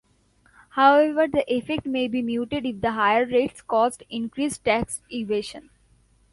However, the effect may be muted if the higher rates cause increased tax evasion.